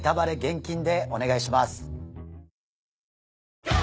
お願いします。